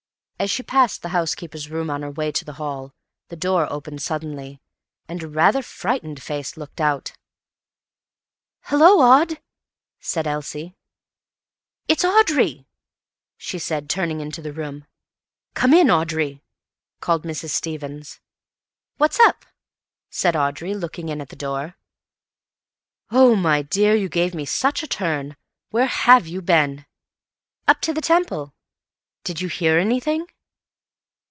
As she passed the housekeeper's room on her way to the hall, the door opened suddenly, and a rather frightened face looked out. "Hallo, Aud," said Elsie. "It's Audrey," she said, turning into the room. "Come in, Audrey," called Mrs. Stevens. "What's up?" said Audrey, looking in at the door. "Oh, my dear, you gave me such a turn. Where have you been?" "Up to the Temple." "Did you hear anything?"